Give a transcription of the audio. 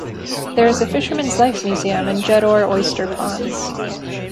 There is a Fisherman's Life Museum in Jeddore Oyster Ponds.